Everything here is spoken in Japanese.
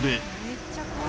めっちゃ怖い。